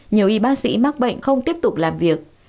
nhiều y bác sĩ mắc bệnh không tiếp tục làm việc